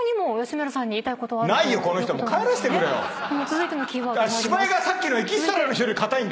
続いてのキーワード参ります。